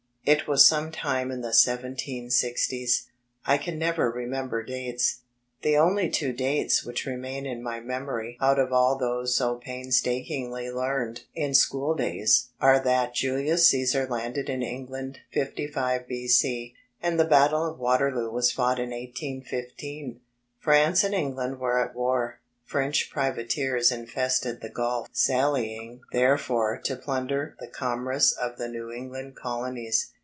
It was some time in the 1760's. I can never remember dates. The only two dates which remain in my memory out of all those so paitlstak ingly learned in schooldays are that Julius Caesar landed in England 55 B.C. and the Batde of Waterloo was fought in 181 5. France and England were at war. French privateers infested the Gulf sallying therefrom to plunder the com merce of the New England Colonies.